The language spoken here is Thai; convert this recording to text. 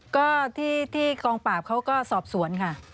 ก็ที่กองปราบเขาก็สอบสวนค่ะ